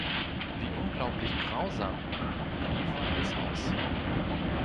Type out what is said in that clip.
‘Wie unglaublich grausam‘, rief Alice aus.